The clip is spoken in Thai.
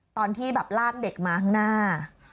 ตอนที่แบบลากเด็กมาข้างหน้า